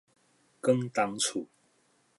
廣東厝